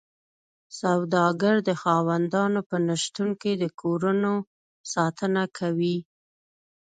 سوداګر د خاوندانو په نشتون کې د کورونو ساتنه کوي